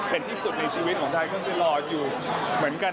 เป็นที่สุดในชีวิตของไทยก็คือรออยู่เหมือนกัน